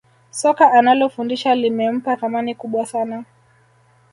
Soka analofundisha limempa thamani kubwa sana